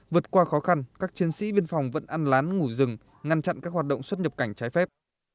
vượt qua khó khăn các chiến sĩ biên phòng vẫn ăn lán ngủ rừng ngăn chặn các hoạt động xuất nhập cảnh trái phép